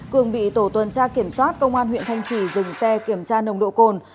cường bị tổ tuần tra kiểm soát công an huyện thanh trì dừng xe kiểm tra nồng độ cồn